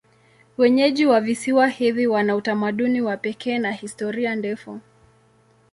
Wenyeji wa visiwa hivi wana utamaduni wa pekee na historia ndefu.